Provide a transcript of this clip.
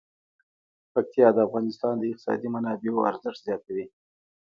پکتیا د افغانستان د اقتصادي منابعو ارزښت زیاتوي.